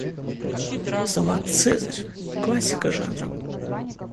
Салат "Цезарь" - классика жанра.